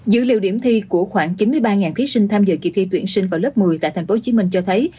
dữ liệu điểm thi của khoảng chín mươi ba thí sinh tham dự kỳ thi tuyển sinh vào lớp một mươi tại tp hcm cho thấy